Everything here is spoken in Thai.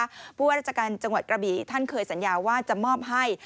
เพราะว่าราชการจังหวัดกระบี่ท่านเคยสัญญาว่าจะมอบให้